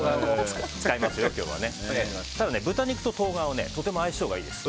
豚肉と冬瓜はとても相性がいいです。